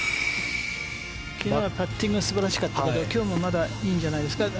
昨日はパッティング素晴らしかったけど今日もまだいいんじゃないんですか。